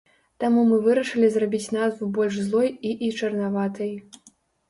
Таму мы вырашылі зрабіць назву больш злой і і чарнаватай.